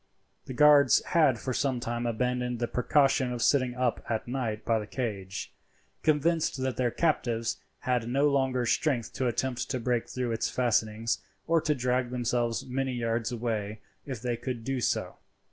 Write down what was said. The guards had for some time abandoned the precaution of sitting up at night by the cage, convinced that their captives had no longer strength to attempt to break through its fastenings or to drag themselves many yards away if they could do so.